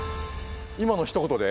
今のひと言で？